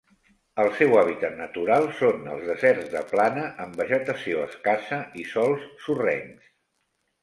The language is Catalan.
El seu hàbitat natural són els deserts de plana amb vegetació escassa i sòls sorrencs.